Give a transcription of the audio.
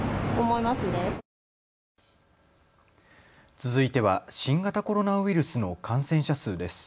続いては新型コロナウイルスの感染者数です。